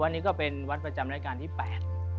วันนี้ก็เป็นวัดประจำรายการที่แปด